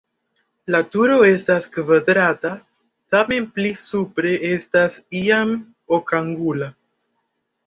La turo estas kvadrata, tamen pli supre estas jam okangula.